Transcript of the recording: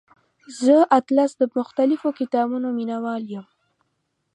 زه اتلس د مختلفو کتابونو مینوال یم.